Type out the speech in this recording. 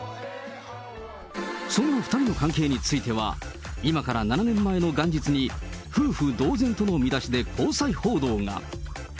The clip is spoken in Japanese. そんな２人の関係については、今から７年前の元日に、夫婦同然との見出しで交際報道が。